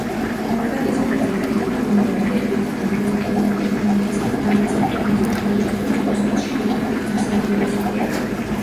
კომპანიის პრეზიდენტმა, მილიარდერმა, გამომგონებელმა ელონ მასკმა განაცხადა, რომ ძალიან მოსწონს კოსმოსში მანქანით გასეირნების იდეა.